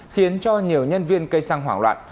khiến cho nhiều nhân viên cây xăng hoảng loạn